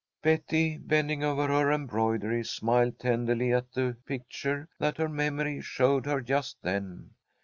Betty, bending over her embroidery, smiled tenderly at a picture that her memory showed her just then.